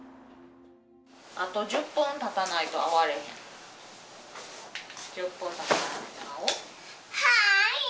あと１０分たたないと会われへん。